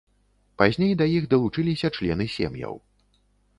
Пазней да іх далучыліся члены сем'яў.